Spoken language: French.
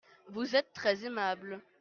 Vous êtes très aimable.